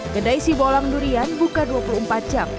kedai sibolang durian buka dua puluh empat jam